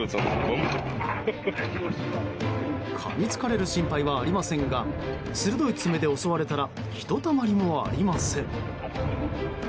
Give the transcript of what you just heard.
かみつかれる心配はありませんが鋭い爪で襲われたらひとたまりもありません。